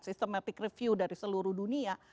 systematic review dari seluruh dunia